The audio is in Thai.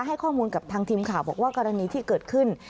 ให้ข้อมูลกับทางทีมข่าวบอกว่ากรณีที่เกิดขึ้น